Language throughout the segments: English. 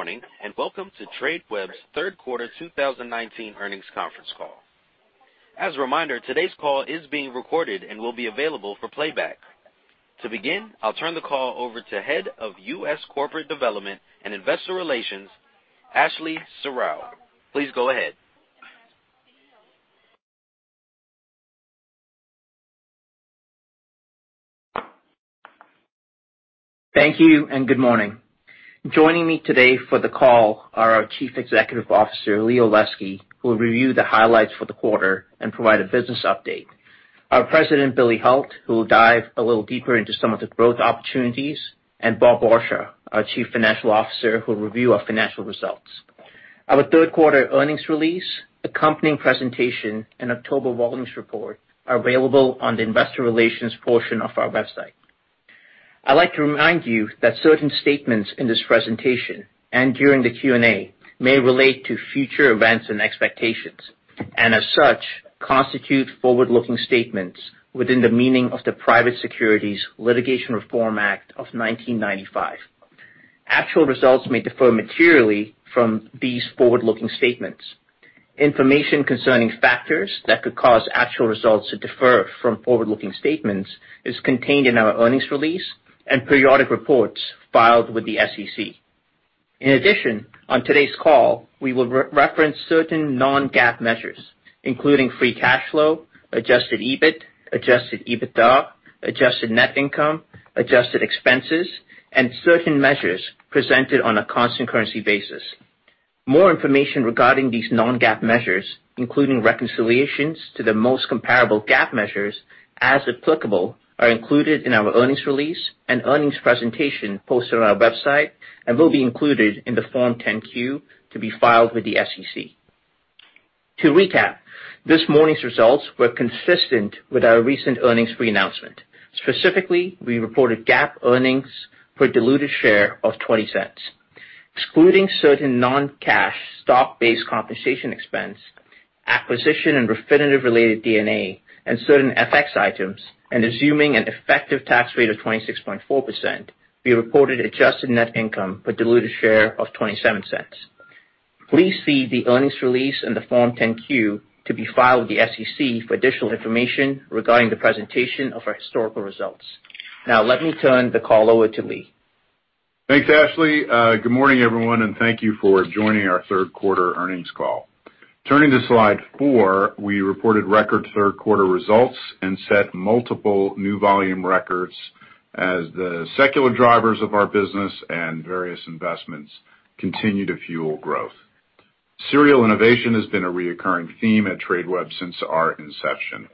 Good morning, welcome to Tradeweb's third quarter 2019 earnings conference call. As a reminder, today's call is being recorded and will be available for playback. To begin, I'll turn the call over to Head of U.S. Corporate Development and Investor Relations, Ashley Serrao. Please go ahead. Thank you, good morning. Joining me today for the call are our Chief Executive Officer, Lee Olesky, who will review the highlights for the quarter and provide a business update, our President, Billy Hult, who will dive a little deeper into some of the growth opportunities, and Bob Borsa, our Chief Financial Officer, who will review our financial results. Our third quarter earnings release, accompanying presentation, and October volumes report are available on the investor relations portion of our website. I'd like to remind you that certain statements in this presentation and during the Q&A may relate to future events and expectations, and as such, constitute forward-looking statements within the meaning of the Private Securities Litigation Reform Act of 1995. Actual results may differ materially from these forward-looking statements. Information concerning factors that could cause actual results to differ from forward-looking statements is contained in our earnings release and periodic reports filed with the SEC. On today's call, we will reference certain non-GAAP measures, including free cash flow, adjusted EBIT, adjusted EBITDA, adjusted net income, adjusted expenses, and certain measures presented on a constant currency basis. More information regarding these non-GAAP measures, including reconciliations to the most comparable GAAP measures, as applicable, are included in our earnings release and earnings presentation posted on our website and will be included in the Form 10-Q to be filed with the SEC. This morning's results were consistent with our recent earnings pre-announcement. Specifically, we reported GAAP earnings per diluted share of $0.20. Excluding certain non-cash stock-based compensation expense, acquisition and Refinitiv-related D&A, and certain FX items, and assuming an effective tax rate of 26.4%, we reported adjusted net income per diluted share of $0.27. Please see the earnings release and the Form 10-Q to be filed with the SEC for additional information regarding the presentation of our historical results. Let me turn the call over to Lee. Thanks, Ashley. Good morning, everyone, and thank you for joining our third quarter earnings call. Turning to slide four, we reported record third quarter results and set multiple new volume records as the secular drivers of our business and various investments continue to fuel growth. Serial innovation has been a reoccurring theme at Tradeweb since our inception.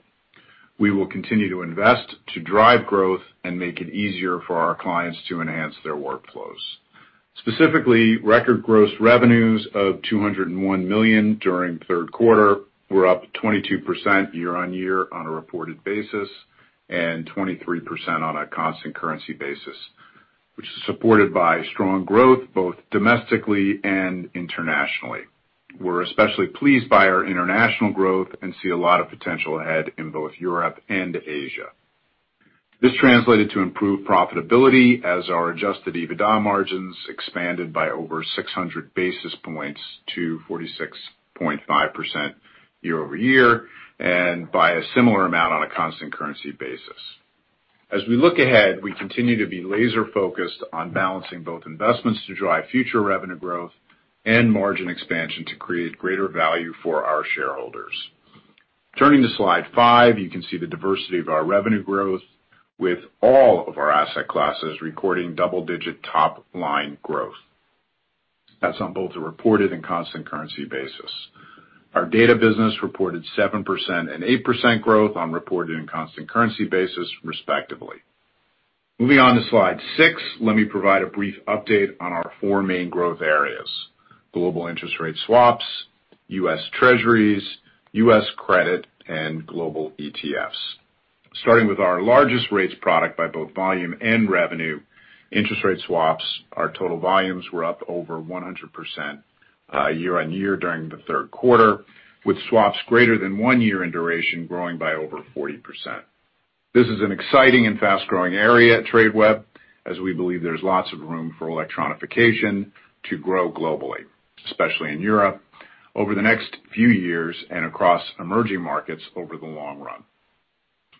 We will continue to invest to drive growth and make it easier for our clients to enhance their workflows. Specifically, record gross revenues of $201 million during the third quarter were up 22% year-on-year on a reported basis, and 23% on a constant currency basis, which is supported by strong growth both domestically and internationally. We are especially pleased by our international growth and see a lot of potential ahead in both Europe and Asia. This translated to improved profitability as our adjusted EBITDA margins expanded by over 600 basis points to 46.5% year-over-year, and by a similar amount on a constant currency basis. As we look ahead, we continue to be laser-focused on balancing both investments to drive future revenue growth and margin expansion to create greater value for our shareholders. Turning to slide five, you can see the diversity of our revenue growth with all of our asset classes recording double-digit top-line growth. That's on both the reported and constant currency basis. Our data business reported 7% and 8% growth on reported and constant currency basis, respectively. Moving on to slide six, let me provide a brief update on our four main growth areas, global interest rate swaps, US Treasuries, US credit, and global ETFs. Starting with our largest rates product by both volume and revenue, interest rate swaps, our total volumes were up over 100% year-on-year during the third quarter, with swaps greater than one year in duration growing by over 40%. This is an exciting and fast-growing area at Tradeweb, as we believe there's lots of room for electronification to grow globally, especially in Europe over the next few years and across emerging markets over the long run.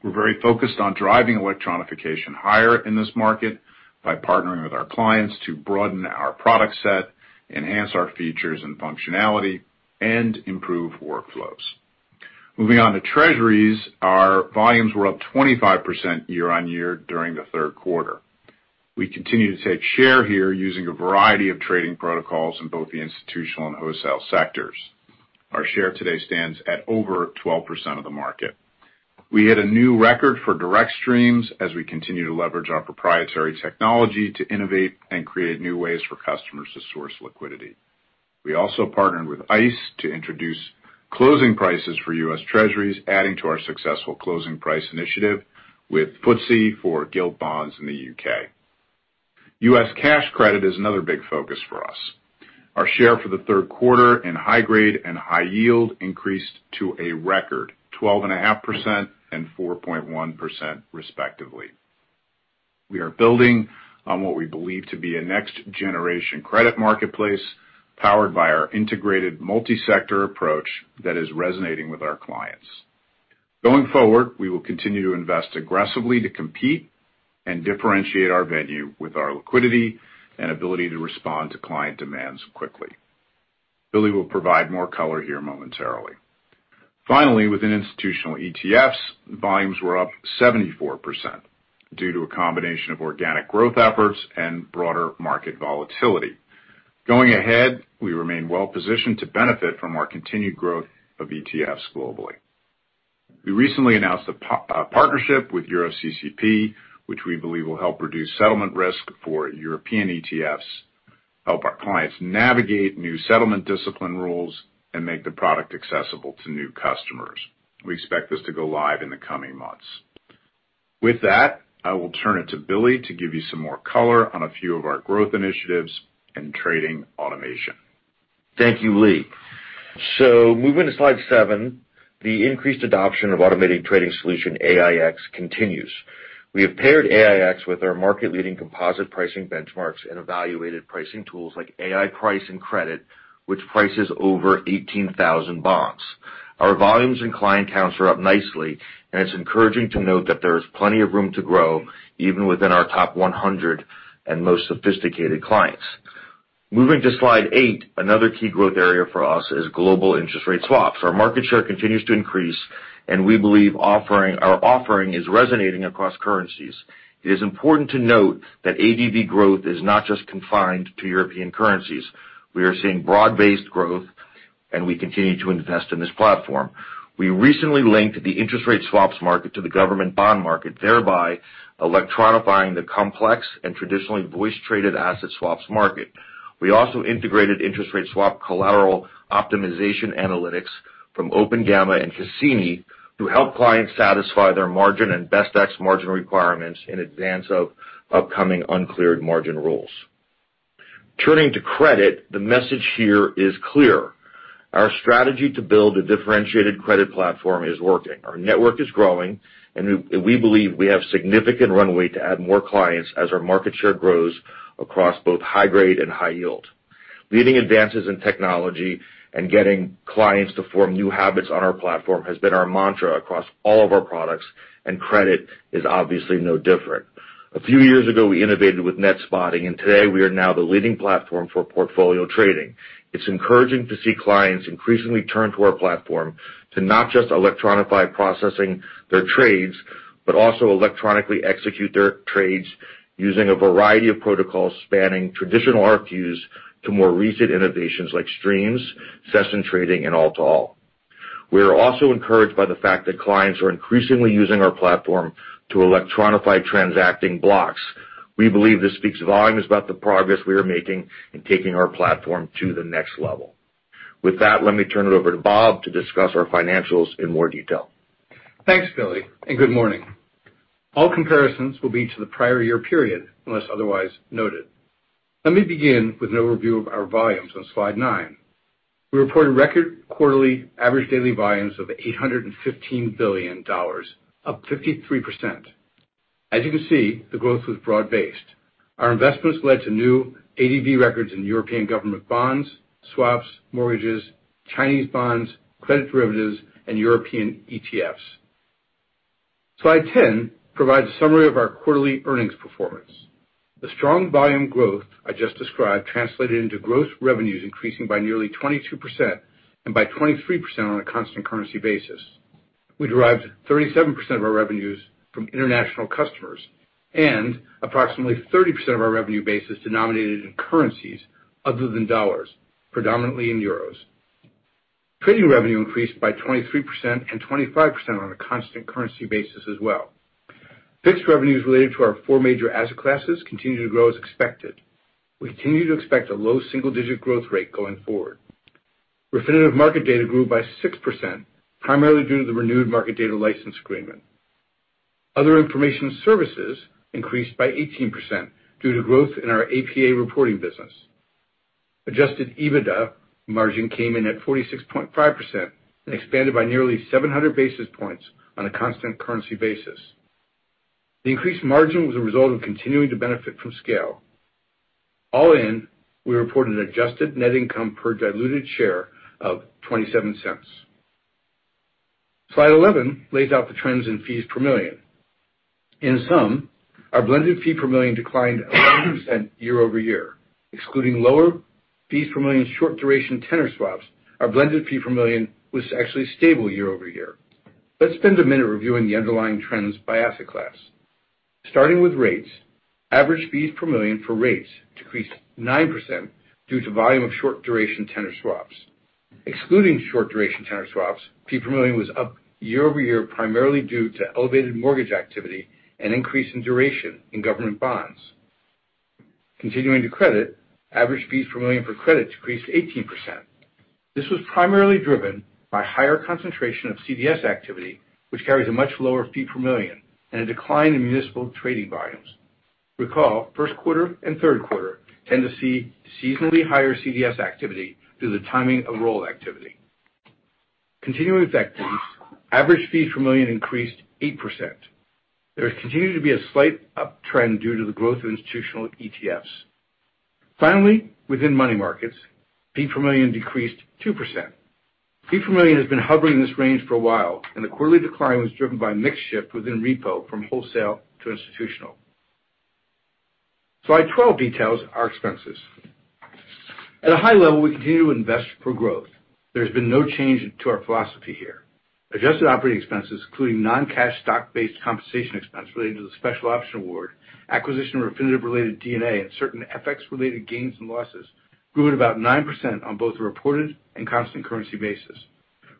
We're very focused on driving electronification higher in this market by partnering with our clients to broaden our product set, enhance our features and functionality, and improve workflows. Moving on to Treasuries, our volumes were up 25% year-on-year during the third quarter. We continue to take share here using a variety of trading protocols in both the institutional and wholesale sectors. Our share today stands at over 12% of the market. We hit a new record for direct streams as we continue to leverage our proprietary technology to innovate and create new ways for customers to source liquidity. We also partnered with ICE to introduce closing prices for U.S. Treasuries, adding to our successful closing price initiative with FTSE for gilt bonds in the U.K. U.S. cash credit is another big focus for us. Our share for the third quarter in high grade and high yield increased to a record, 12.5% and 4.1% respectively. We are building on what we believe to be a next-generation credit marketplace powered by our integrated multi-sector approach that is resonating with our clients. Going forward, we will continue to invest aggressively to compete and differentiate our venue with our liquidity and ability to respond to client demands quickly. Billy will provide more color here momentarily. Finally, within institutional ETFs, volumes were up 74% due to a combination of organic growth efforts and broader market volatility. Going ahead, we remain well-positioned to benefit from our continued growth of ETFs globally. We recently announced a partnership with EuroCCP, which we believe will help reduce settlement risk for European ETFs, help our clients navigate new settlement discipline rules, and make the product accessible to new customers. We expect this to go live in the coming months. With that, I will turn it to Billy to give you some more color on a few of our growth initiatives and trading automation. Thank you, Lee. Moving to slide seven, the increased adoption of automated trading solution AiEX continues. We have paired AiEX with our market-leading composite pricing benchmarks and evaluated pricing tools like Ai-Price and Credit, which prices over 18,000 bonds. Our volumes and client counts are up nicely, and it's encouraging to note that there is plenty of room to grow even within our top 100 and most sophisticated clients. Moving to slide eight, another key growth area for us is global interest rate swaps. Our market share continues to increase, and we believe our offering is resonating across currencies. It is important to note that ADV growth is not just confined to European currencies. We are seeing broad-based growth, and we continue to invest in this platform. We recently linked the interest rate swaps market to the government bond market, thereby electronifying the complex and traditionally voice-traded asset swaps market. We also integrated interest rate swap collateral optimization analytics from OpenGamma and Cassini to help clients satisfy their margin and best execution margin requirements in advance of upcoming uncleared margin rules. Turning to credit, the message here is clear. Our strategy to build a differentiated credit platform is working. Our network is growing, and we believe we have significant runway to add more clients as our market share grows across both high grade and high yield. Leading advances in technology and getting clients to form new habits on our platform has been our mantra across all of our products, and credit is obviously no different. A few years ago, we innovated with net spotting, and today we are now the leading platform for portfolio trading. It's encouraging to see clients increasingly turn to our platform to not just electronify processing their trades, but also electronically execute their trades using a variety of protocols spanning traditional RFQs to more recent innovations like streams, session trading, and all-to-all. We are also encouraged by the fact that clients are increasingly using our platform to electronify transacting blocks. We believe this speaks volumes about the progress we are making in taking our platform to the next level. With that, let me turn it over to Bob to discuss our financials in more detail. Thanks, Billy, good morning. All comparisons will be to the prior year period, unless otherwise noted. Let me begin with an overview of our volumes on slide nine. We reported record quarterly average daily volumes of $815 billion, up 53%. As you can see, the growth was broad-based. Our investments led to new ADV records in European government bonds, swaps, mortgages, Chinese bonds, credit derivatives, and European ETFs. Slide 10 provides a summary of our quarterly earnings performance. The strong volume growth I just described translated into gross revenues increasing by nearly 22% and by 23% on a constant currency basis. We derived 37% of our revenues from international customers and approximately 30% of our revenue base is denominated in currencies other than USD, predominantly in EUR. Trading revenue increased by 23% and 25% on a constant currency basis as well. Fixed revenues related to our four major asset classes continue to grow as expected. We continue to expect a low single-digit growth rate going forward. Refinitiv market data grew by 6%, primarily due to the renewed market data license agreement. Other information services increased by 18% due to growth in our APA reporting business. Adjusted EBITDA margin came in at 46.5% and expanded by nearly 700 basis points on a constant currency basis. The increased margin was a result of continuing to benefit from scale. All in, we reported an adjusted net income per diluted share of $0.27. Slide 11 lays out the trends in fees per million. In sum, our blended fee per million declined 11% year-over-year. Excluding lower fees per million short-duration tenor swaps, our blended fee per million was actually stable year-over-year. Let's spend a minute reviewing the underlying trends by asset class. Starting with rates, average fees per million for rates decreased 9% due to volume of short-duration tenor swaps. Excluding short-duration tenor swaps, fee per million was up year-over-year, primarily due to elevated mortgage activity and increase in duration in government bonds. Continuing to credit, average fees per million for credit decreased 18%. This was primarily driven by higher concentration of CDS activity, which carries a much lower fee per million and a decline in municipal trading volumes. Recall, first quarter and third quarter tend to see seasonally higher CDS activity due to the timing of roll activity. Continuing with FX, average fees per million increased 8%. There has continued to be a slight uptrend due to the growth of institutional ETFs. Finally, within money markets, fee per million decreased 2%. Fee per million has been hovering in this range for a while. The quarterly decline was driven by a mix shift within repo from wholesale to institutional. Slide 12 details our expenses. At a high level, we continue to invest for growth. There's been no change to our philosophy here. Adjusted operating expenses, including non-cash stock-based compensation expense related to the special option award, acquisition or Refinitiv-related D&A, and certain FX-related gains and losses, grew at about 9% on both a reported and constant currency basis.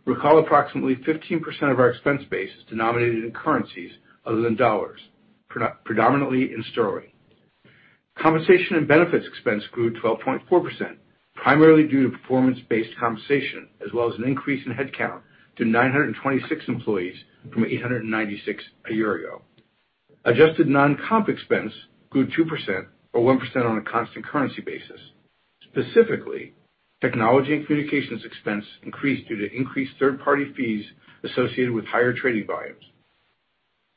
Recall approximately 15% of our expense base is denominated in currencies other than U.S. dollars, predominantly in sterling. Compensation and benefits expense grew 12.4%, primarily due to performance-based compensation, as well as an increase in headcount to 926 employees from 896 a year ago. Adjusted non-comp expense grew 2%, or 1% on a constant currency basis. Specifically, technology and communications expense increased due to increased third-party fees associated with higher trading volumes.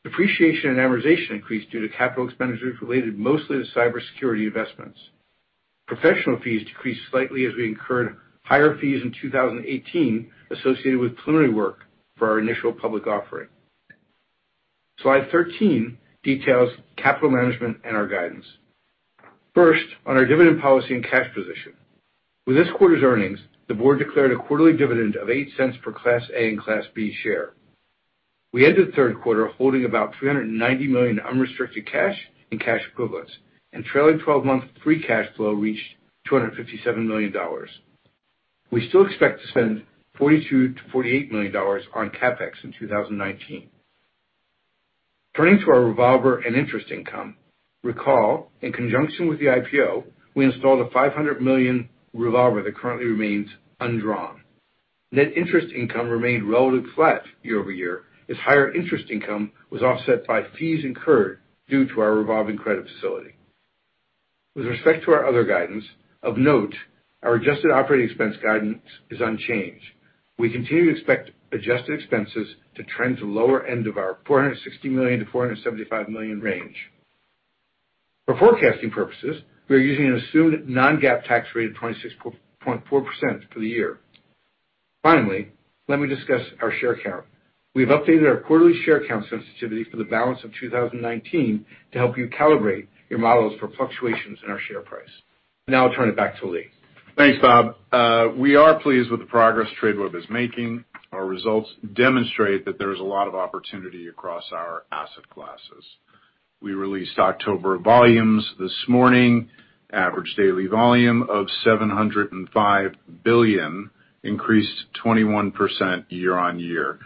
Depreciation and amortization increased due to capital expenditures related mostly to cybersecurity investments. Professional fees decreased slightly as we incurred higher fees in 2018 associated with preliminary work for our initial public offering. Slide 13 details capital management and our guidance. First, on our dividend policy and cash position. With this quarter's earnings, the board declared a quarterly dividend of $0.08 per Class A and Class B share. We ended the third quarter holding about $390 million unrestricted cash and cash equivalents, and trailing 12-month free cash flow reached $257 million. We still expect to spend $42 million-$48 million on CapEx in 2019. Turning to our revolver and interest income. Recall, in conjunction with the IPO, we installed a $500 million revolver that currently remains undrawn. Net interest income remained relatively flat year-over-year, as higher interest income was offset by fees incurred due to our revolving credit facility. With respect to our other guidance, of note, our adjusted operating expense guidance is unchanged. We continue to expect adjusted expenses to trend to the lower end of our $460 million-$475 million range. For forecasting purposes, we are using an assumed non-GAAP tax rate of 26.4% for the year. Finally, let me discuss our share count. We've updated our quarterly share count sensitivity for the balance of 2019 to help you calibrate your models for fluctuations in our share price. Now I'll turn it back to Lee. Thanks, Bob. We are pleased with the progress Tradeweb is making. Our results demonstrate that there's a lot of opportunity across our asset classes. We released October volumes this morning. Average daily volume of $705 billion, increased 21% year-on-year,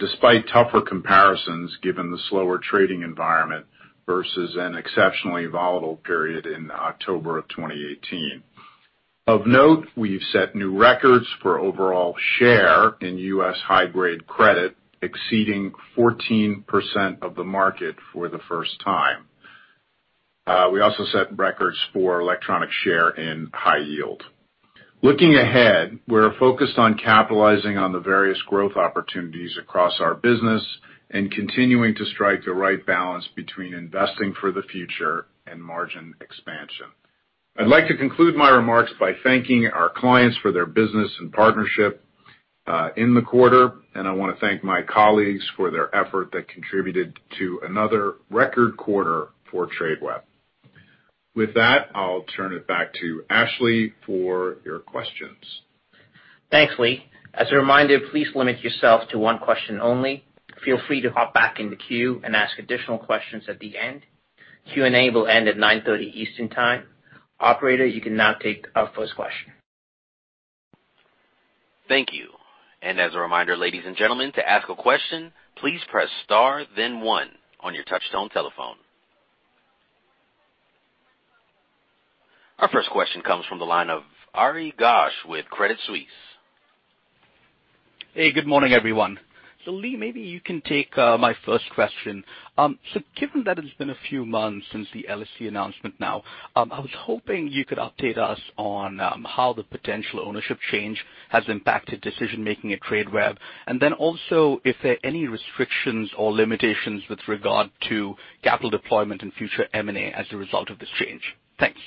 despite tougher comparisons given the slower trading environment versus an exceptionally volatile period in October of 2018. Of note, we've set new records for overall share in US high-grade credit, exceeding 14% of the market for the first time. We also set records for electronic share in high yield. Looking ahead, we're focused on capitalizing on the various growth opportunities across our business and continuing to strike the right balance between investing for the future and margin expansion. I'd like to conclude my remarks by thanking our clients for their business and partnership in the quarter. I want to thank my colleagues for their effort that contributed to another record quarter for Tradeweb. With that, I'll turn it back to Ashley for your questions. Thanks, Lee. As a reminder, please limit yourself to one question only. Feel free to hop back in the queue and ask additional questions at the end. Q&A will end at 9:30 A.M. Eastern Time. Operator, you can now take our first question. Thank you. As a reminder, ladies and gentlemen, to ask a question, please press star then one on your touch-tone telephone. Our first question comes from the line of Ari Ghosh with Credit Suisse. Hey, good morning, everyone. Lee, maybe you can take my first question. Given that it's been a few months since the LSE announcement now, I was hoping you could update us on how the potential ownership change has impacted decision-making at Tradeweb. Also, if there are any restrictions or limitations with regard to capital deployment and future M&A as a result of this change. Thanks.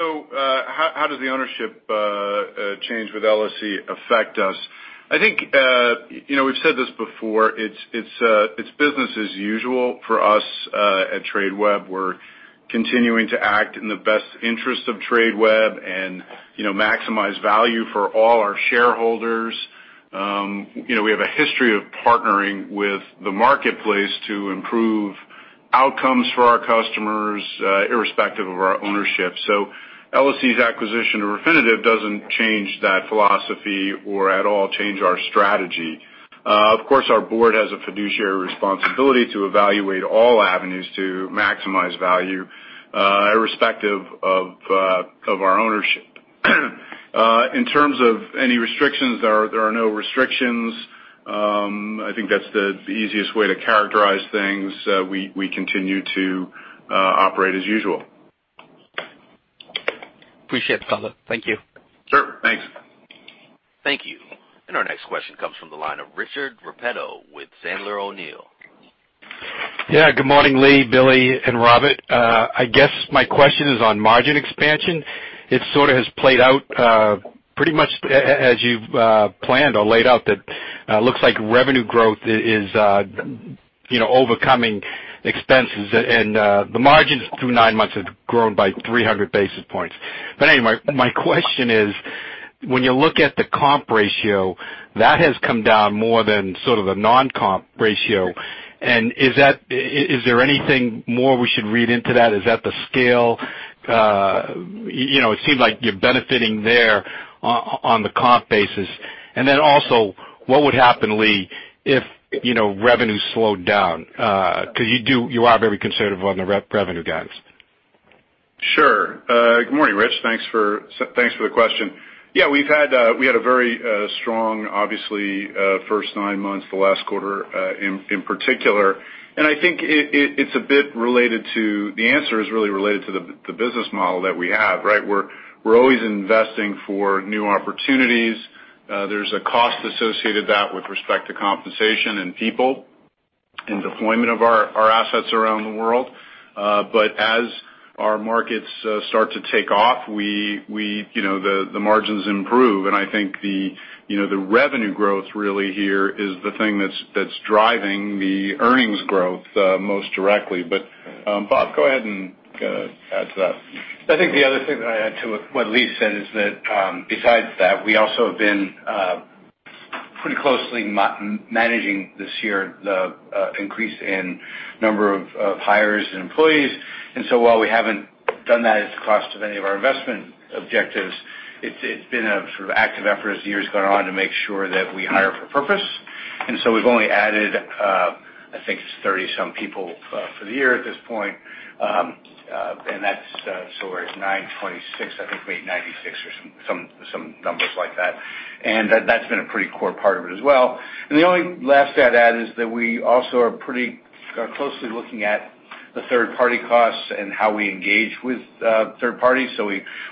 How does the ownership change with LSE affect us? I think, we've said this before, it's business as usual for us at Tradeweb. We're continuing to act in the best interest of Tradeweb and maximize value for all our shareholders. We have a history of partnering with the marketplace to improve outcomes for our customers, irrespective of our ownership. LSE's acquisition of Refinitiv doesn't change that philosophy or at all change our strategy. Of course, our board has a fiduciary responsibility to evaluate all avenues to maximize value irrespective of our ownership. In terms of any restrictions, there are no restrictions. I think that's the easiest way to characterize things. We continue to operate as usual. Appreciate the follow. Thank you. Sure. Thanks. Thank you. Our next question comes from the line of Richard Repetto with Sandler O'Neill. Yeah. Good morning, Lee, Billy, and Robert. I guess my question is on margin expansion. It sort of has played out pretty much as you've planned or laid out, that looks like revenue growth is overcoming expenses. The margins through nine months have grown by 300 basis points. My question is, when you look at the comp ratio, that has come down more than sort of the non-comp ratio. Is there anything more we should read into that? Is that the scale? It seems like you're benefiting there on the comp basis. What would happen, Lee, if revenue slowed down? Because you are very conservative on the revenue guidance. Sure. Good morning, Rich. Thanks for the question. Yeah, we had a very strong, obviously, first nine months, the last quarter in particular. I think the answer is really related to the business model that we have, right? We're always investing for new opportunities. There's a cost associated with that with respect to compensation and people, and deployment of our assets around the world. As our markets start to take off, the margins improve. I think the revenue growth really here is the thing that's driving the earnings growth most directly. Bob, go ahead and add to that. I think the other thing that I add to what Lee said is that, besides that, we also have been pretty closely managing this year the increase in number of hires and employees. While we haven't done that at the cost of any of our investment objectives, it's been a sort of active effort as the year's gone on to make sure that we hire for purpose. We've only added, I think it's 30-some people for the year at this point. We're at 926, I think we made 96 or some numbers like that. That's been a pretty core part of it as well. The only last thing I'd add is that we also are pretty closely looking at the third-party costs and how we engage with third parties.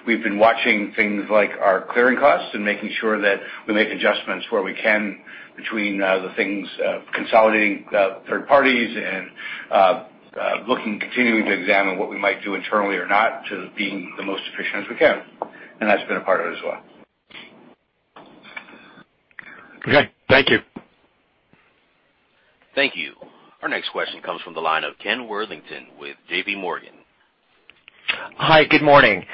We've been watching things like our clearing costs and making sure that we make adjustments where we can between the things, consolidating third parties and continuing to examine what we might do internally or not to being the most efficient as we can. That's been a part of it as well. Okay. Thank you. Thank you. Our next question comes from the line of Ken Worthington with J.P. Morgan. Hi, good morning.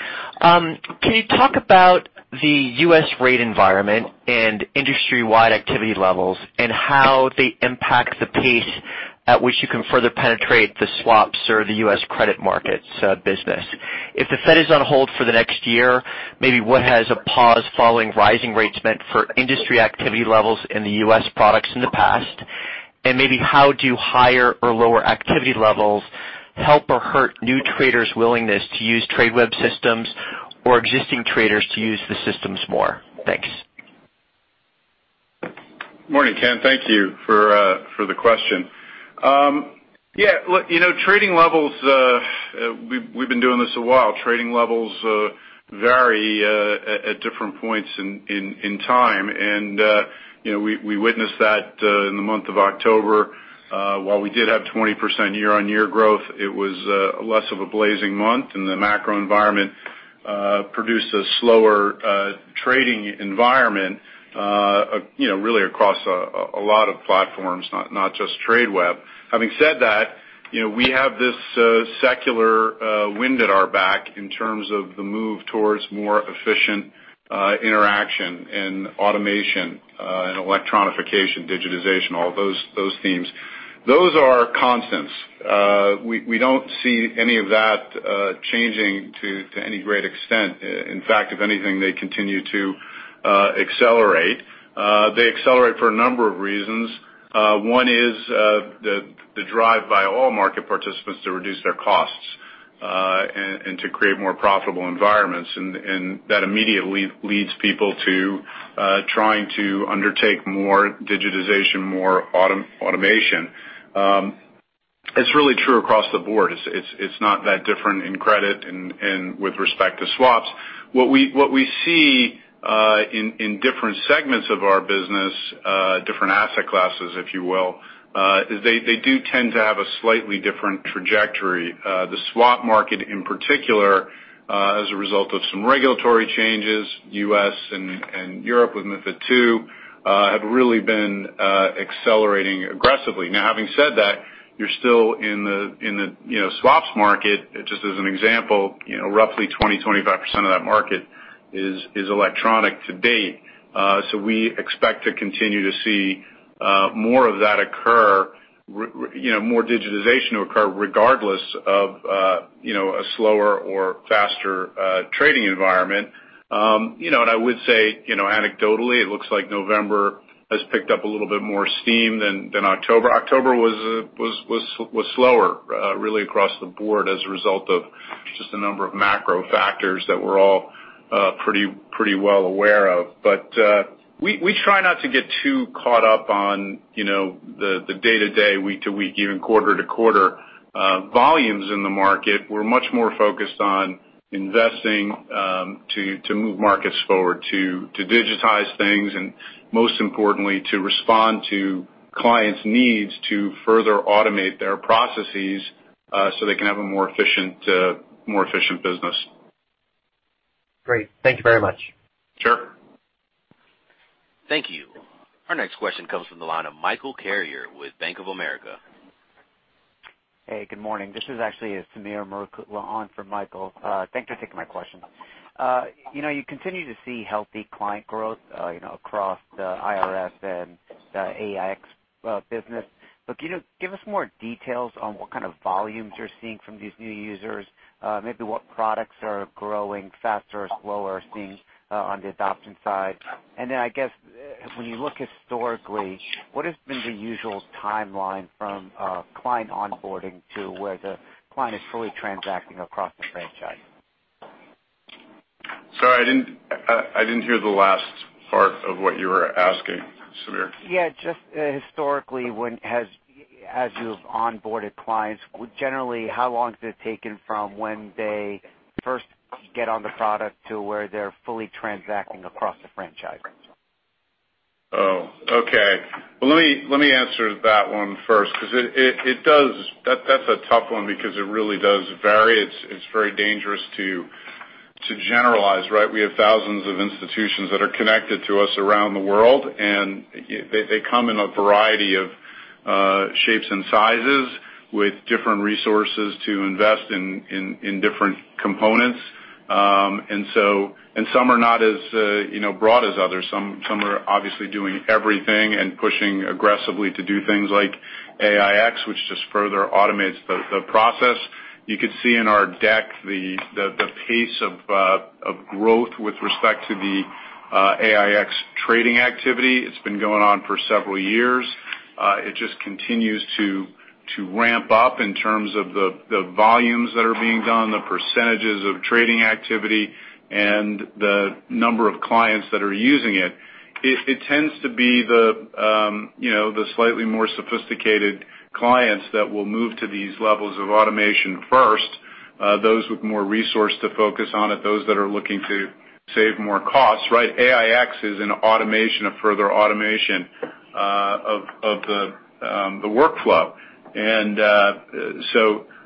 Can you talk about the U.S. rate environment and industry-wide activity levels and how they impact the pace at which you can further penetrate the swaps or the U.S. credit markets business? If the Fed is on hold for the next year, maybe what has a pause following rising rates meant for industry activity levels in the U.S. products in the past? Maybe how do higher or lower activity levels help or hurt new traders' willingness to use Tradeweb systems or existing traders to use the systems more? Thanks. Morning, Ken. Thank you for the question. Yeah, look, trading levels, we've been doing this a while. Trading levels vary at different points in time. We witnessed that in the month of October. While we did have 20% year-on-year growth, it was less of a blazing month, and the macro environment produced a slower trading environment really across a lot of platforms, not just Tradeweb. Having said that, we have this secular wind at our back in terms of the move towards more efficient interaction and automation and electronification, digitization, all those themes. Those are constants. We don't see any of that changing to any great extent. In fact, if anything, they continue to accelerate. They accelerate for a number of reasons. One is the drive by all market participants to reduce their costs and to create more profitable environments. That immediately leads people to trying to undertake more digitization, more automation. It's really true across the board. It's not that different in credit and with respect to swaps. What we see in different segments of our business, different asset classes, if you will, is they do tend to have a slightly different trajectory. The swap market in particular, as a result of some regulatory changes, U.S. and Europe with MiFID II, have really been accelerating aggressively. Having said that, you're still in the swaps market, just as an example, roughly 20%-25% of that market is electronic to date. We expect to continue to see more digitization occur regardless of a slower or faster trading environment. I would say, anecdotally, it looks like November has picked up a little bit more steam than October. October was slower, really across the board as a result of the number of macro factors that we're all pretty well aware of. We try not to get too caught up on the day-to-day, week-to-week, even quarter-to-quarter volumes in the market. We're much more focused on investing to move markets forward, to digitize things, and most importantly, to respond to clients' needs to further automate their processes so they can have a more efficient business. Great. Thank you very much. Sure. Thank you. Our next question comes from the line of Michael Carrier with Bank of America. Hey, good morning. This is actually Sameer Murukutla on for Michael. Thanks for taking my question. You continue to see healthy client growth across the IRS and the AiEX business. Can you give us more details on what kind of volumes you're seeing from these new users? Maybe what products are growing faster or slower, seeing on the adoption side? I guess, when you look historically, what has been the usual timeline from client onboarding to where the client is fully transacting across the franchise? Sorry, I didn't hear the last part of what you were asking, Sameer. Yeah. Just historically, as you've onboarded clients, generally, how long has it taken from when they first get on the product to where they're fully transacting across the franchise? Oh, okay. Well, let me answer that one first, because that's a tough one because it really does vary. It's very dangerous to generalize, right? We have thousands of institutions that are connected to us around the world, and they come in a variety of shapes and sizes with different resources to invest in different components. Some are not as broad as others. Some are obviously doing everything and pushing aggressively to do things like AiEX, which just further automates the process. You could see in our deck the pace of growth with respect to the AiEX trading activity. It's been going on for several years. It just continues to ramp up in terms of the volumes that are being done, the percentages of trading activity, and the number of clients that are using it. It tends to be the slightly more sophisticated clients that will move to these levels of automation first. Those with more resource to focus on it, those that are looking to save more costs, right? AiEX is an automation of further automation of the workflow.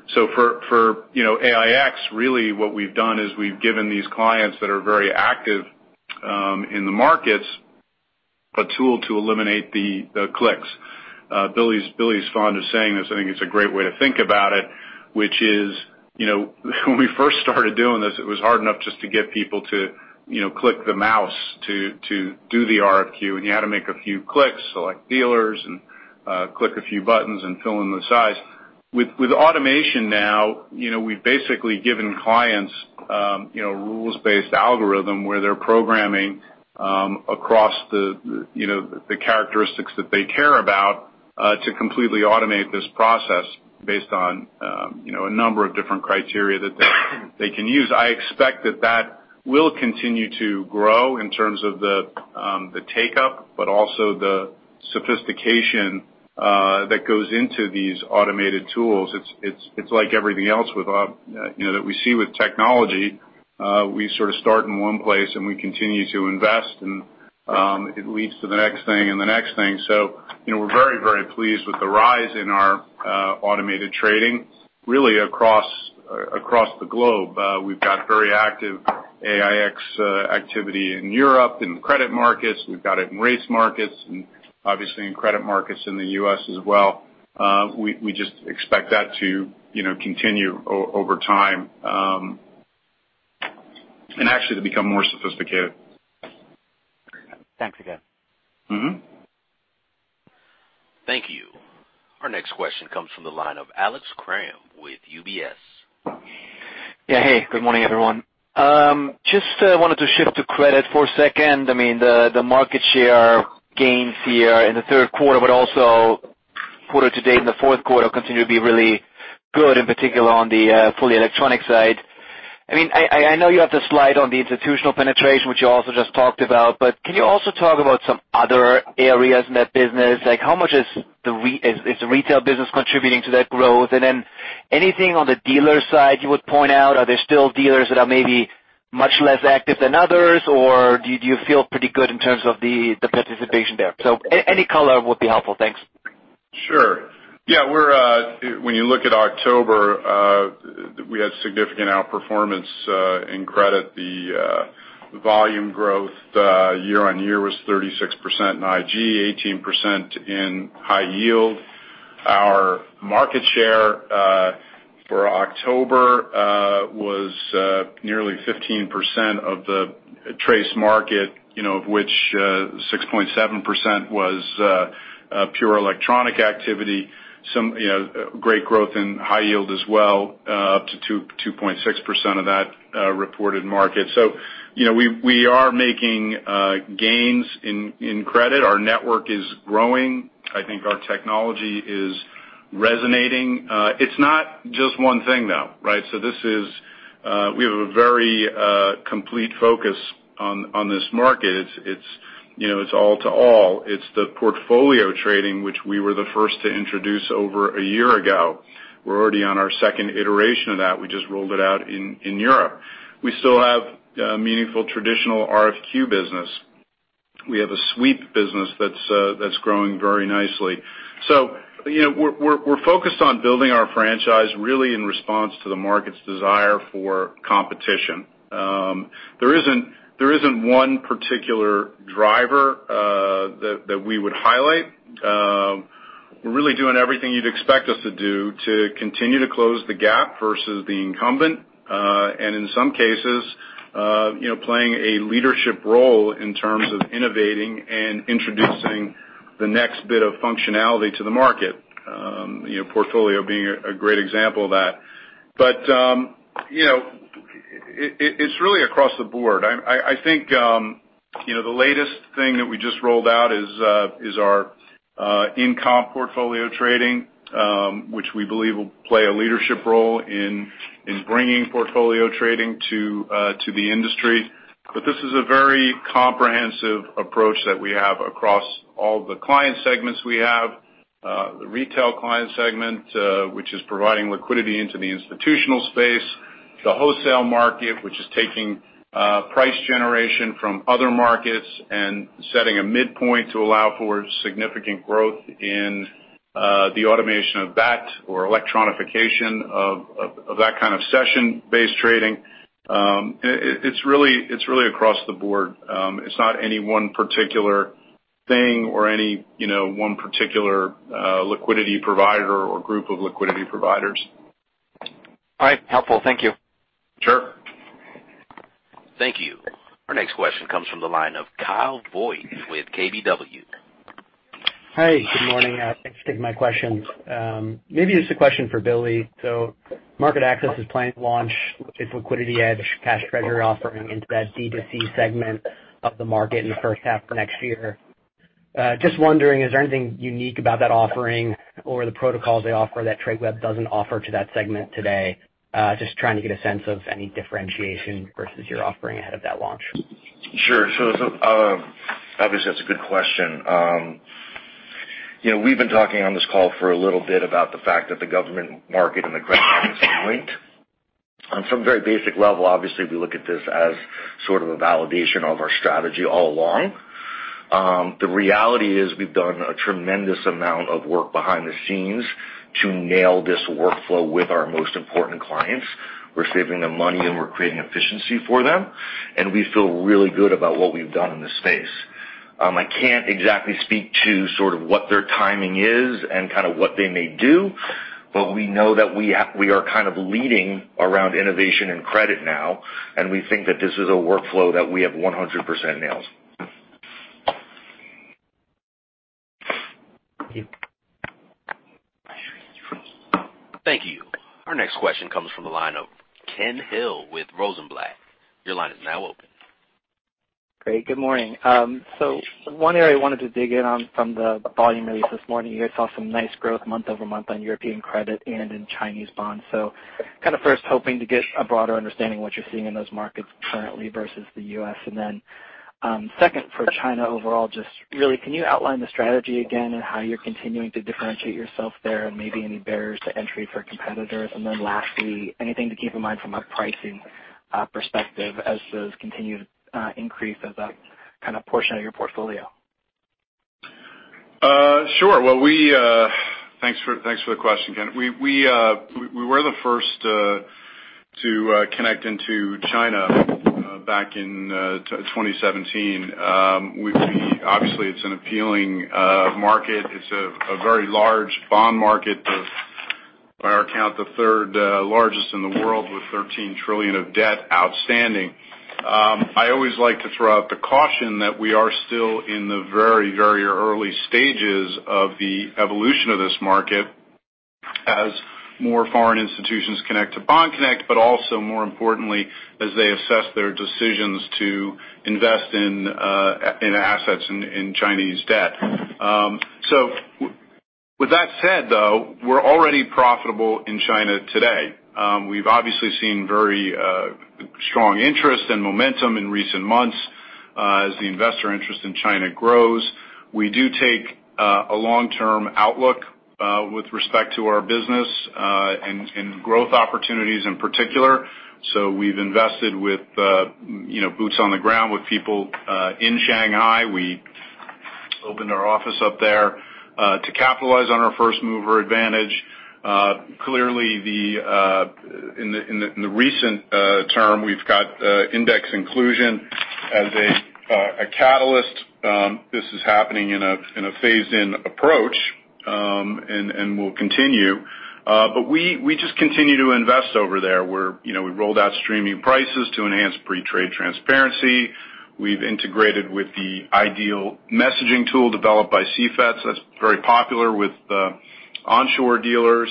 For AiEX, really what we've done is we've given these clients that are very active in the markets a tool to eliminate the clicks. Billy's fond of saying this, I think it's a great way to think about it, which is, when we first started doing this, it was hard enough just to get people to click the mouse to do the RFQ, and you had to make a few clicks, select dealers, and click a few buttons, and fill in the size. With automation now, we've basically given clients rules-based algorithm where they're programming across the characteristics that they care about to completely automate this process based on a number of different criteria that they can use. I expect that that will continue to grow in terms of the take-up, but also the sophistication that goes into these automated tools. It's like everything else that we see with technology. We sort of start in one place, and we continue to invest, and it leads to the next thing and the next thing. We're very, very pleased with the rise in our automated trading really across the globe. We've got very active AiEX activity in Europe, in credit markets. We've got it in rates markets, and obviously in credit markets in the U.S. as well. We just expect that to continue over time. Actually to become more sophisticated. Great. Thanks again. Thank you. Our next question comes from the line of Alex Kramm with UBS. Yeah. Hey, good morning, everyone. Just wanted to shift to credit for a second. I mean, the market share gains here in the third quarter, but also quarter to date in the fourth quarter continue to be really good, in particular on the fully electronic side. I know you have the slide on the institutional penetration, which you also just talked about, but can you also talk about some other areas in that business? How much is the retail business contributing to that growth? Anything on the dealer side you would point out? Are there still dealers that are maybe much less active than others, or do you feel pretty good in terms of the participation there? Any color would be helpful. Thanks. Sure. Yeah, when you look at October, we had significant outperformance in credit. The volume growth year-over-year was 36% in IG, 18% in high yield. Our market share for October was nearly 15% of the TRACE market, of which 6.7% was pure electronic activity. Some great growth in high yield as well, up to 2.6% of that reported market. We are making gains in credit. Our network is growing. I think our technology is resonating. It's not just one thing, though, right? We have a very complete focus on this market. It's all-to-all. It's the portfolio trading, which we were the first to introduce over a year ago. We're already on our second iteration of that. We just rolled it out in Europe. We still have meaningful traditional RFQ business. We have a sweep business that's growing very nicely. We're focused on building our franchise, really in response to the market's desire for competition. There isn't one particular driver that we would highlight. We're really doing everything you'd expect us to do to continue to close the gap versus the incumbent, and in some cases, playing a leadership role in terms of innovating and introducing the next bit of functionality to the market. Portfolio being a great example of that. It's really across the board. I think, the latest thing that we just rolled out is our in-comp portfolio trading, which we believe will play a leadership role in bringing portfolio trading to the industry. This is a very comprehensive approach that we have across all the client segments we have. The retail client segment, which is providing liquidity into the institutional space. The wholesale market, which is taking price generation from other markets and setting a midpoint to allow for significant growth in the automation of that, or electronification of that kind of session-based trading. It's really across the board. It's not any one particular thing or any one particular liquidity provider or group of liquidity providers. All right. Helpful. Thank you. Sure. Thank you. Our next question comes from the line of Kyle Voigt with KBW. Hey, good morning. Thanks for taking my questions. Maybe this is a question for Billy. MarketAxess is planning to launch its LiquidityEdge cash treasury offering into that B2C segment of the market in the first half of next year. Just wondering, is there anything unique about that offering or the protocols they offer that Tradeweb doesn't offer to that segment today? Just trying to get a sense of any differentiation versus your offering ahead of that launch. Sure. Obviously, that's a good question. We've been talking on this call for a little bit about the fact that the government market and the credit market have linked. On some very basic level, obviously, we look at this as sort of a validation of our strategy all along. The reality is, we've done a tremendous amount of work behind the scenes to nail this workflow with our most important clients. We're saving them money, and we're creating efficiency for them, and we feel really good about what we've done in this space. I can't exactly speak to sort of what their timing is and kind of what they may do, but we know that we are kind of leading around innovation and credit now, and we think that this is a workflow that we have 100% nails. Thank you. Thank you. Our next question comes from the line of Ken Hill with Rosenblatt. Your line is now open. Great. Good morning. One area I wanted to dig in on from the volume release this morning. You guys saw some nice growth month-over-month on European credit and in Chinese bonds. First kind of hoping to get a broader understanding of what you're seeing in those markets currently versus the U.S. Second for China overall, just really, can you outline the strategy again and how you're continuing to differentiate yourself there and maybe any barriers to entry for competitors? Lastly, anything to keep in mind from a pricing perspective as those continue to increase as a kind of portion of your portfolio? Sure. Thanks for the question, Ken. We were the first to connect into China back in 2017. Obviously, it's an appealing market. It's a very large bond market. By our count, the third largest in the world, with $13 trillion of debt outstanding. I always like to throw out the caution that we are still in the very, very early stages of the evolution of this market as more foreign institutions connect to Bond Connect, Also more importantly, as they assess their decisions to invest in assets in Chinese debt. With that said, though, we're already profitable in China today. We've obviously seen very strong interest and momentum in recent months as the investor interest in China grows. We do take a long-term outlook with respect to our business, and growth opportunities in particular. We've invested with boots on the ground with people in Shanghai. We opened our office up there to capitalize on our first-mover advantage. Clearly, in the recent term, we've got index inclusion as a catalyst. This is happening in a phased-in approach, and will continue. We just continue to invest over there. We've rolled out streaming prices to enhance pre-trade transparency. We've integrated with the iDeal messaging tool developed by CFETS. That's very popular with the onshore dealers.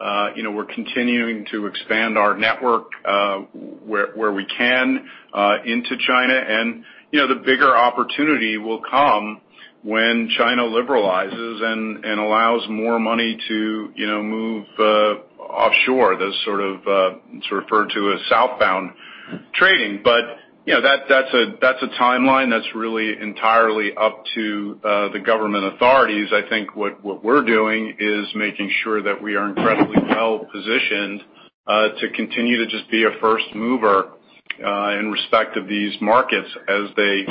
We're continuing to expand our network, where we can, into China. The bigger opportunity will come when China liberalizes and allows more money to move offshore. That's referred to as southbound trading. That's a timeline that's really entirely up to the government authorities. I think what we're doing is making sure that we are incredibly well-positioned to continue to just be a first mover in respect of these markets as they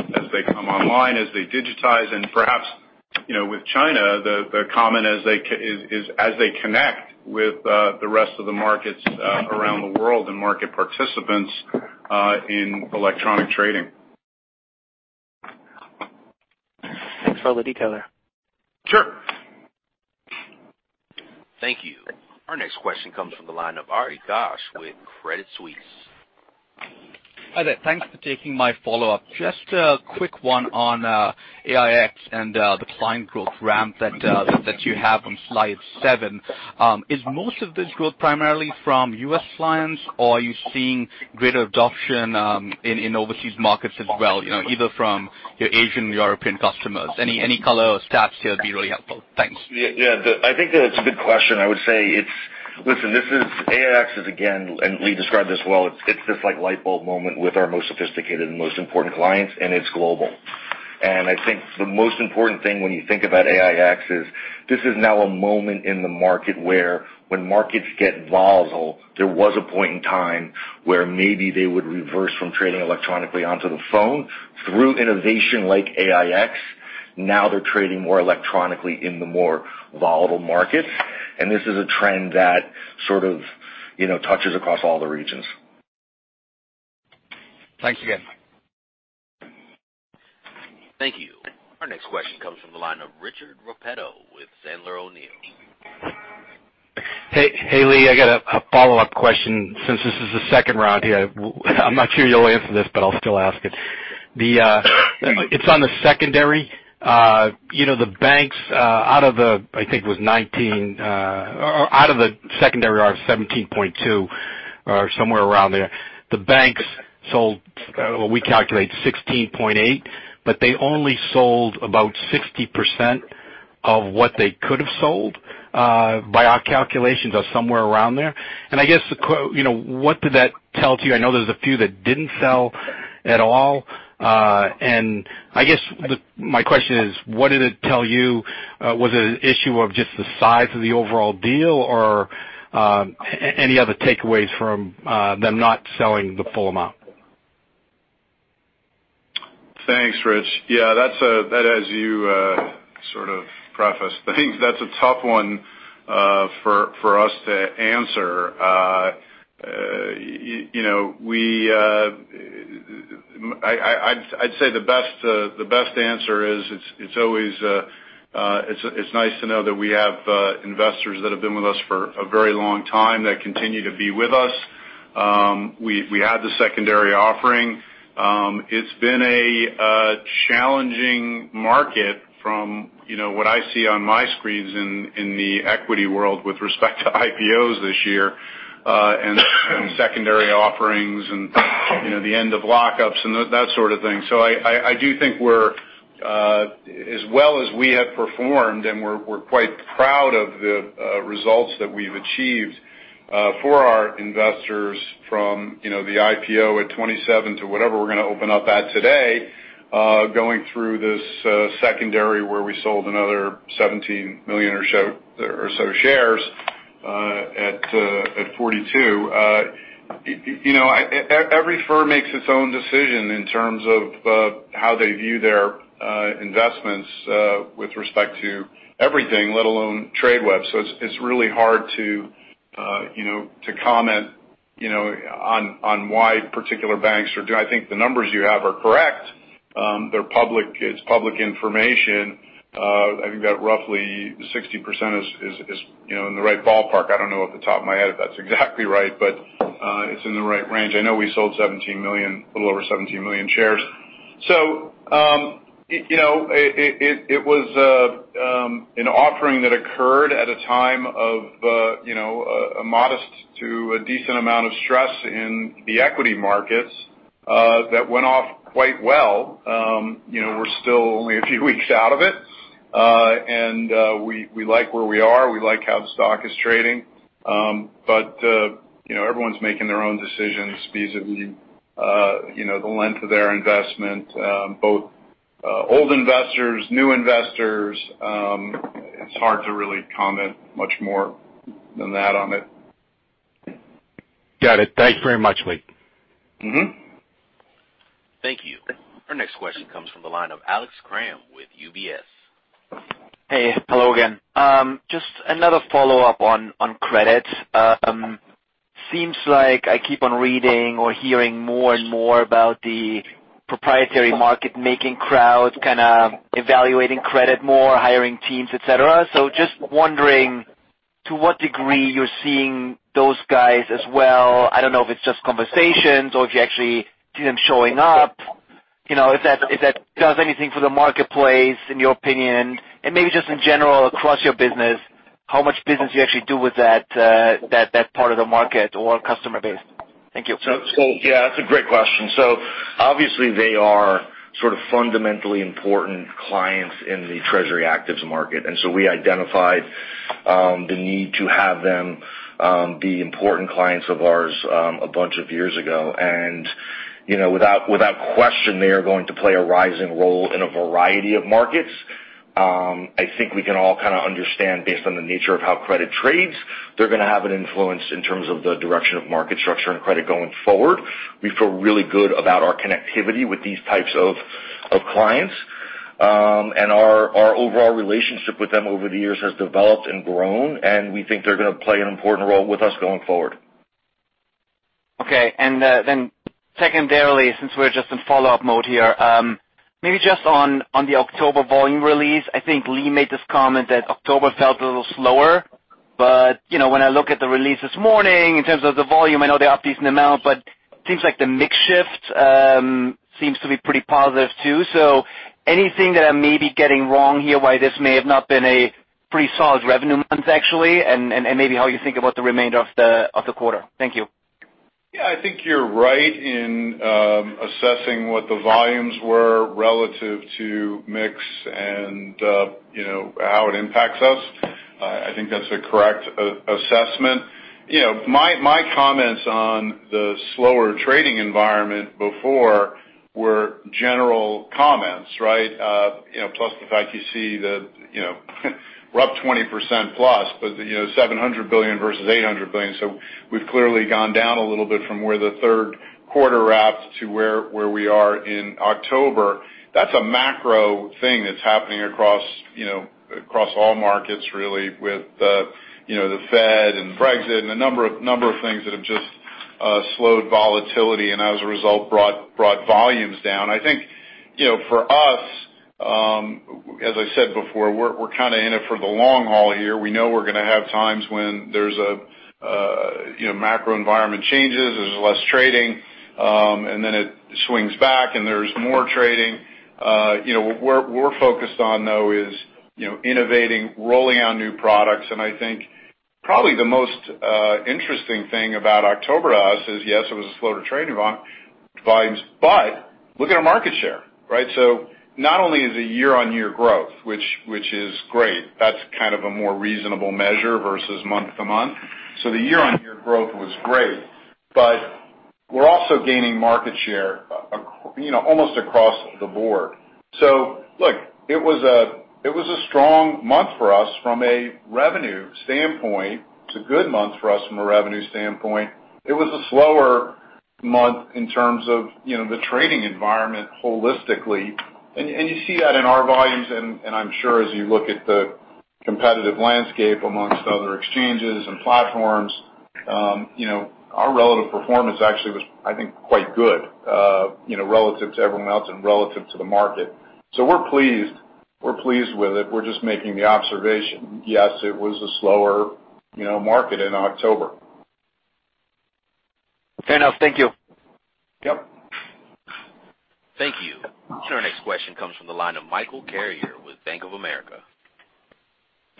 come online, as they digitize, and perhaps, with China, the comment is as they connect with the rest of the markets around the world and market participants in electronic trading. Thanks for all the detail there. Sure. Thank you. Our next question comes from the line of Ari Ghosh with Credit Suisse. Hi there. Thanks for taking my follow-up. Just a quick one on AiEX and the client growth ramp that you have on slide seven. Is most of this growth primarily from U.S. clients, or are you seeing greater adoption in overseas markets as well, either from your Asian or European customers? Any color or stats here would be really helpful. Thanks. Yeah. I think that it's a good question. AiEX is, again, Lee described this well, it's this light bulb moment with our most sophisticated and most important clients, and it's global. I think the most important thing when you think about AiEX is this is now a moment in the market where when markets get volatile, there was a point in time where maybe they would reverse from trading electronically onto the phone. Through innovation like AiEX, now they're trading more electronically in the more volatile markets. This is a trend that sort of touches across all the regions. Thanks again. Thank you. Our next question comes from the line of Richard Repetto with Sandler O'Neill. Hey, Lee. I got a follow-up question since this is the second round here. I'm not sure you'll answer this, but I'll still ask it. It's on the secondary. The banks, out of the, I think it was, or out of the secondary are 17.2 or somewhere around there. The banks sold, well, we calculate 16.8, but they only sold about 60% of what they could've sold, by our calculations, or somewhere around there. I guess, what did that tell to you? I know there's a few that didn't sell at all. I guess my question is, what did it tell you? Was it an issue of just the size of the overall deal, or any other takeaways from them not selling the full amount? Thanks, Rich. Yeah, that as you sort of preface things, that's a tough one for us to answer. I'd say the best answer is it's nice to know that we have investors that have been with us for a very long time, that continue to be with us. We had the secondary offering. It's been a challenging market from what I see on my screens in the equity world with respect to IPOs this year, and secondary offerings and the end of lockups and that sort of thing. I do think as well as we have performed, and we're quite proud of the results that we've achieved for our investors from the IPO at $27 to whatever we're going to open up at today, going through this secondary where we sold another 17 million or so shares at $42. Every firm makes its own decision in terms of how they view their investments, with respect to everything, let alone Tradeweb. It's really hard to comment on why particular banks are doing. I think the numbers you have are correct. It's public information. I think that roughly 60% is in the right ballpark. I don't know off the top of my head if that's exactly right, but it's in the right range. I know we sold a little over 17 million shares. It was an offering that occurred at a time of a modest to a decent amount of stress in the equity markets, that went off quite well. We're still only a few weeks out of it. We like where we are. We like how the stock is trading. Everyone's making their own decisions vis-à-vis the length of their investment, both old investors, new investors. It's hard to really comment much more than that on it. Got it. Thanks very much, Lee. Thank you. Our next question comes from the line of Alex Kramm with UBS. Hey. Hello again. Just another follow-up on credit. Seems like I keep on reading or hearing more and more about the proprietary market making crowds kind of evaluating credit more, hiring teams, et cetera. Just wondering-To what degree you're seeing those guys as well? I don't know if it's just conversations or if you actually see them showing up. If that does anything for the marketplace, in your opinion, and maybe just in general across your business, how much business you actually do with that part of the market or customer base? Thank you. Yeah, that's a great question. Obviously they are sort of fundamentally important clients in the Treasury actives market. We identified the need to have them be important clients of ours a bunch of years ago. Without question, they are going to play a rising role in a variety of markets. I think we can all kind of understand, based on the nature of how credit trades, they're going to have an influence in terms of the direction of market structure and credit going forward. We feel really good about our connectivity with these types of clients. Our overall relationship with them over the years has developed and grown, and we think they're going to play an important role with us going forward. Okay. Secondarily, since we're just in follow-up mode here, maybe just on the October volume release, I think Lee made this comment that October felt a little slower. When I look at the release this morning in terms of the volume, I know they are decent amount, but seems like the mix shift seems to be pretty positive too. Anything that I may be getting wrong here why this may have not been a pretty solid revenue month actually, and maybe how you think about the remainder of the quarter. Thank you. Yeah, I think you're right in assessing what the volumes were relative to mix and how it impacts us. I think that's a correct assessment. My comments on the slower trading environment before were general comments, right? Plus the fact you see the rough 20% plus, but $700 billion versus $800 billion. We've clearly gone down a little bit from where the third quarter wrapped to where we are in October. That's a macro thing that's happening across all markets really with the Fed and Brexit and a number of things that have just slowed volatility and as a result, brought volumes down. I think for us, as I said before, we're kind of in it for the long haul here. We know we're going to have times when there's a macro environment changes, there's less trading, and then it swings back and there's more trading. What we're focused on though is innovating, rolling out new products. I think probably the most interesting thing about October to us is, yes, it was a slower trading month, volumes, but look at our market share. Not only is it year-on-year growth, which is great, that's kind of a more reasonable measure versus month-to-month. The year-on-year growth was great, but we're also gaining market share almost across the board. Look, it was a strong month for us from a revenue standpoint. It's a good month for us from a revenue standpoint. It was a slower month in terms of the trading environment holistically. You see that in our volumes, and I'm sure as you look at the competitive landscape amongst other exchanges and platforms. Our relative performance actually was, I think, quite good relative to everyone else and relative to the market. We're pleased. We're pleased with it. We're just making the observation, yes, it was a slower market in October. Fair enough. Thank you. Yep. Thank you. Our next question comes from the line of Michael Carrier with Bank of America.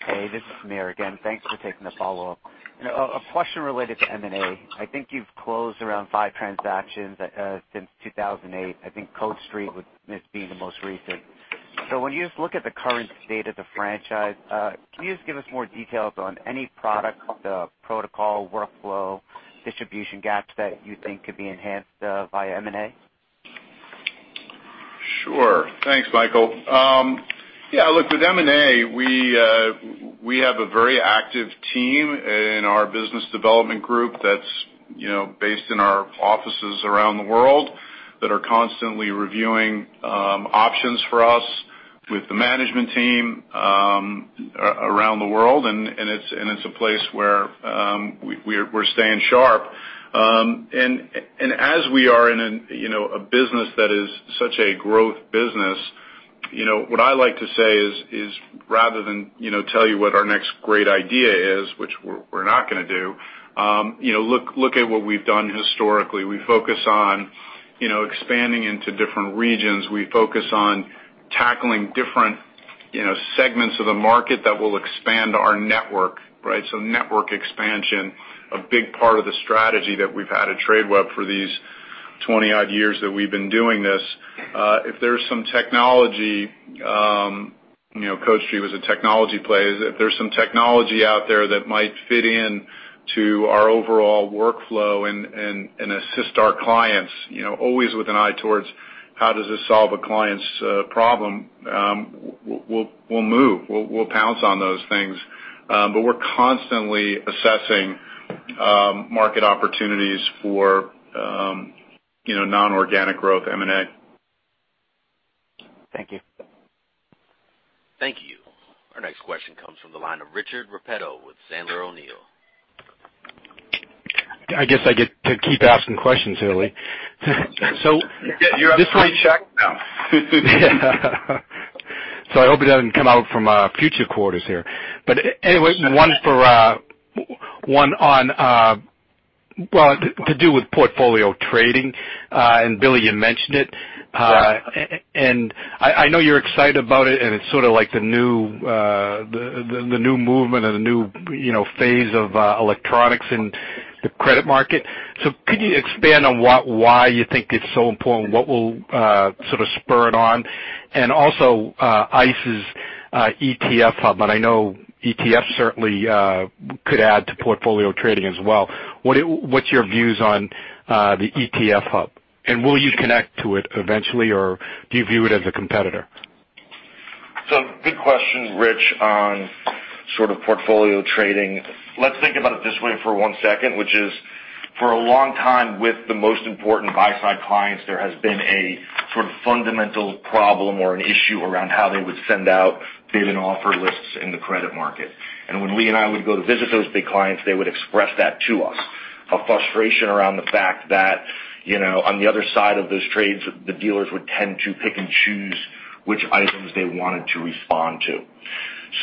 Hey, this is Sameer again. Thanks for taking the follow-up. A question related to M&A. I think you've closed around five transactions since 2008. I think CodeStreet being the most recent. When you just look at the current state of the franchise, can you just give us more details on any product, protocol, workflow, distribution gaps that you think could be enhanced by M&A? Sure. Thanks, Michael. Yeah, look, with M&A, we have a very active team in our business development group that's based in our offices around the world that are constantly reviewing options for us with the management team around the world. It's a place where we're staying sharp. As we are in a business that is such a growth business, what I like to say is rather than tell you what our next great idea is, which we're not going to do, look at what we've done historically. We focus on expanding into different regions. We focus on tackling different segments of the market that will expand our network, right? Network expansion, a big part of the strategy that we've had at Tradeweb for these 20-odd years that we've been doing this. If there's some technology, CodeStreet was a technology play. If there's some technology out there that might fit in to our overall workflow and assist our clients, always with an eye towards how does this solve a client's problem, we'll move, we'll pounce on those things. We're constantly assessing market opportunities for non-organic growth M&A. Thank you. Thank you. Our next question comes from the line of Richard Repetto with Sandler O'Neill. I guess I get to keep asking questions, Billy. You're on three checks now. I hope it doesn't come out from future quarters here. Anyway, one to do with portfolio trading, and Billy, you mentioned it. Yeah. I know you're excited about it, and it's sort of like the new movement or the new phase of electronics in the credit market. Could you expand on why you think it's so important? What will sort of spur it on? Also ICE ETF Hub, and I know ETFs certainly could add to portfolio trading as well. What's your views on the ETF Hub? Will you connect to it eventually or do you view it as a competitor? Good question, Rich, on sort of portfolio trading. Let's think about it this way for one second, which is for a long time with the most important buy side clients, there has been a sort of fundamental problem or an issue around how they would send out bid and offer lists in the credit market. When Lee and I would go to visit those big clients, they would express that to us. A frustration around the fact that, on the other side of those trades, the dealers would tend to pick and choose which items they wanted to respond to.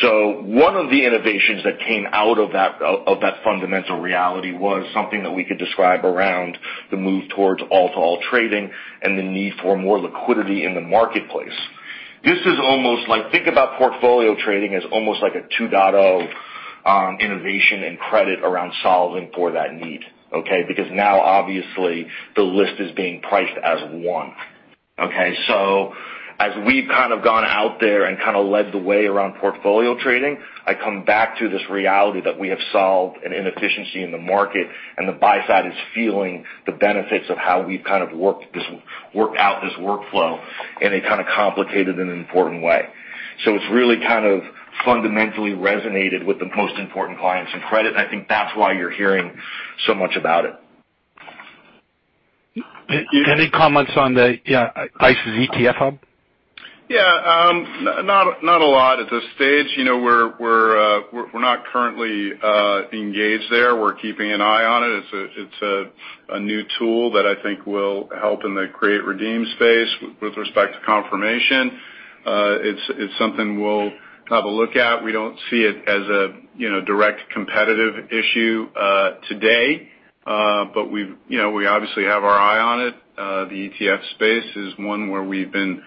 One of the innovations that came out of that fundamental reality was something that we could describe around the move towards all-to-all trading and the need for more liquidity in the marketplace. This is almost like, think about portfolio trading as almost like a 2.0 on innovation and credit around solving for that need. Okay? Now obviously the list is being priced as one. Okay? As we've kind of gone out there and kind of led the way around portfolio trading, I come back to this reality that we have solved an inefficiency in the market, and the buy side is feeling the benefits of how we've kind of worked out this workflow in a kind of complicated and important way. It's really kind of fundamentally resonated with the most important clients in credit, and I think that's why you're hearing so much about it. Any comments on the ICE ETF Hub? Yeah. Not a lot at this stage. We're not currently engaged there. We're keeping an eye on it. It's a new tool that I think will help in the create redeem space with respect to confirmation. It's something we'll have a look at. We don't see it as a direct competitive issue today. We obviously have our eye on it. The ETF space is one where we've been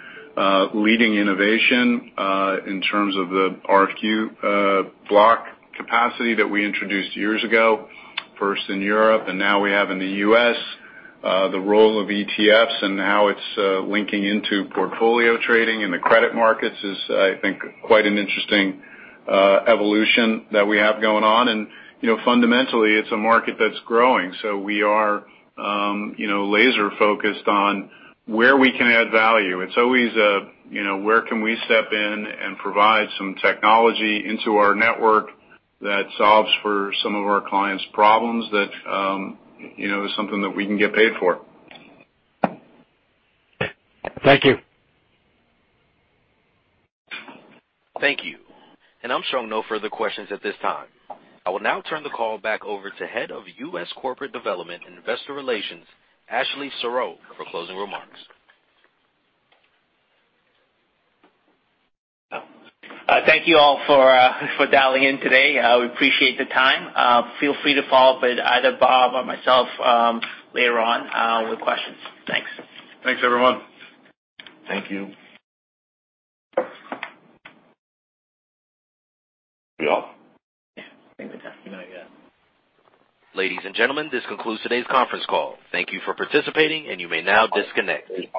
leading innovation, in terms of the RFQ block capacity that we introduced years ago, first in Europe, and now we have in the U.S. The role of ETFs and how it's linking into portfolio trading in the credit markets is, I think, quite an interesting evolution that we have going on. Fundamentally, it's a market that's growing, so we are laser-focused on where we can add value. It's always where can we step in and provide some technology into our network that solves for some of our clients' problems that is something that we can get paid for. Thank you. Thank you. I'm showing no further questions at this time. I will now turn the call back over to Head of U.S. Corporate Development and Investor Relations, Ashley Serrao, for closing remarks. Thank you all for dialing in today. We appreciate the time. Feel free to follow up with either Bob or myself later on with questions. Thanks. Thanks, everyone. Thank you. We off? Yeah. I think we're done. Not yet. Ladies and gentlemen, this concludes today's conference call. Thank you for participating, and you may now disconnect.